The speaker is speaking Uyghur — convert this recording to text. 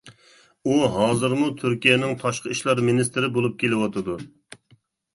ئۇ ھازىرمۇ تۈركىيەنىڭ تاشقى ئىشلار مىنىستىرى بولۇپ كېلىۋاتىدۇ.